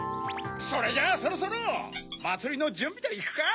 それじゃそろそろまつりのじゅんびといくか！